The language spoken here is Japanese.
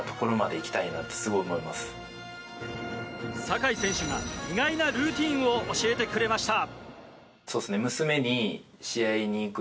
酒井選手が意外なルーチンを教えてくれました。